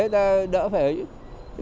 ta đỡ phải